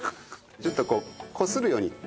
ちょっとこうこするように。